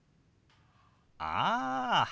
ああ。